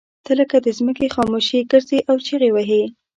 ته لکه د ځمکې خاموشي ګرځې او چغې وهې.